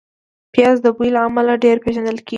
پیاز د بوی له امله ډېر پېژندل کېږي